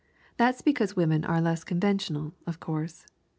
That's because women are less conventional, of course.